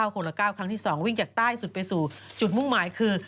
คนละ๙ครั้งที่๒วิ่งจากใต้สุดไปสู่จุดมุ่งหมายคือ